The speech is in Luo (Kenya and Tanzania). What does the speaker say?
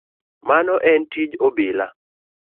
Mano en tij obila.